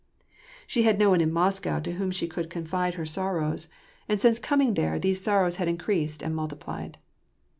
She had no one in Moscow to whom she could confide her 814 ^AR AND PEACE. sorrows, and since coming there these sorrows had increased and multiplied.